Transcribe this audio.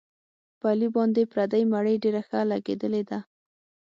په علي باندې پردۍ مړۍ ډېره ښه لګېدلې ده.